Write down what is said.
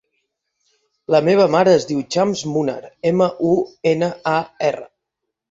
La meva mare es diu Chams Munar: ema, u, ena, a, erra.